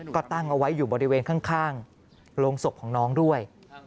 ก็ตั้งเอาไว้อยู่บริเวณข้างโรงศพของน้องด้วย